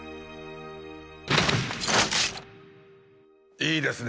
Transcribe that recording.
いいですね。